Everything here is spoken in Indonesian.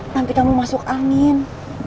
nanti kamu masuk angin